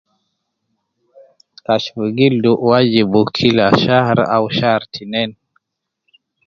Kashf gildu wajib kila shahar au shar tinen